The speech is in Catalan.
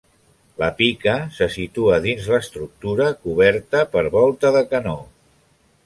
La pica se situa dins l’estructura coberta per volta de canó.